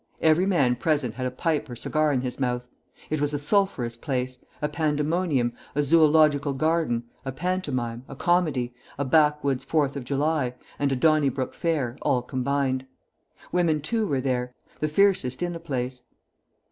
Every man present had a pipe or cigar in his mouth. It was a sulphurous place, a Pandemonium, a Zoological Garden, a Pantomime, a Comedy, a Backwoods Fourth of July, and a Donnybrook Fair, all combined. Women too were there, the fiercest in the place.